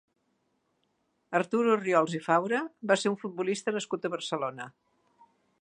Artur Orriols i Faura va ser un futbolista nascut a Barcelona.